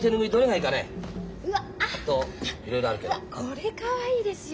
これかわいいですよ。